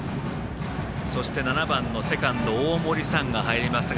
そして７番のセカンド大森燦が入りました。